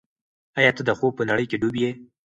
آیا ته د خوب په نړۍ کې ډوب یې؟